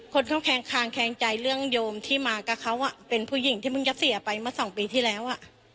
คนเขาแคงคางแคงใจเรื่องโยมที่มากับเขาเป็นผู้หญิงที่เพิ่งจะเสียไปเมื่อสองปีที่แล้ว